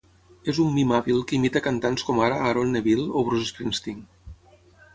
És un mim hàbil que imita cantants com ara Aaron Neville o Bruce Springsteen.